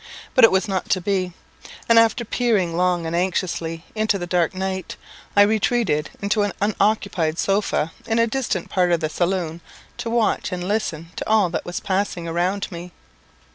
But it was not to be; and after peering long and anxiously into the dark night, I retreated to an unoccupied sofa in a distant part of the saloon, to watch and listen to all that was passing around me.